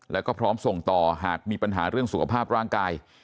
แล้วก็พร้อมส่งต่อหากมีปัญหาเรื่องสุขภาพร่างกาย